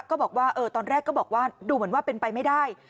ก็บอกว่าตอนแรกก็บอกว่าดูเหมือนว่าเป็นไปไม่ได้